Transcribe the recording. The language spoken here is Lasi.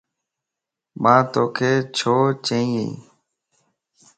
مان توک ڇو چين يَ